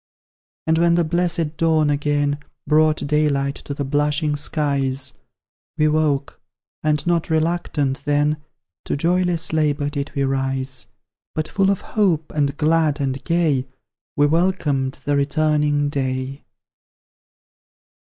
And when the blessed dawn again Brought daylight to the blushing skies, We woke, and not RELUCTANT then, To joyless LABOUR did we rise; But full of hope, and glad and gay, We welcomed the returning day.